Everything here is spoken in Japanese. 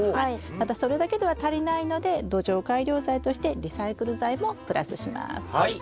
またそれだけでは足りないので土壌改良材としてリサイクル材もプラスします。